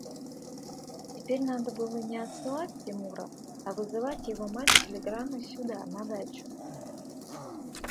Теперь надо было не отсылать Тимура, а вызывать его мать телеграммой сюда, на дачу.